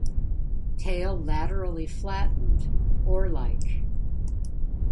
Tail laterally flattened, oar-like.